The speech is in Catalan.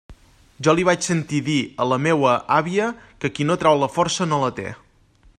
Jo li vaig sentir dir a la meua àvia que qui no trau la força no la té.